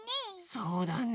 そうだね。